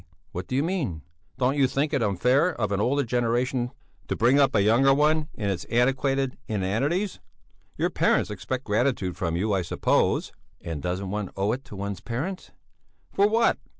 What do you mean?" "Don't you think it unfair of an older generation to bring up a younger one in its antiquated inanities? Your parents expect gratitude from you, I suppose?" "And doesn't one owe it to one's parents?" "For what?